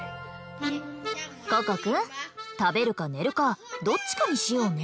ココくん食べるか寝るかどっちかにしようね。